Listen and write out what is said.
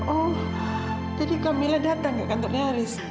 oh jadi kamilah datang ke kantornya haris